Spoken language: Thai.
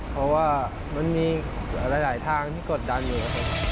เพราะว่ามันมีหลายทางที่กดดันอยู่